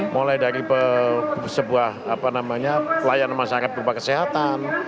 mulai dari pelayanan masyarakat berbagai kesehatan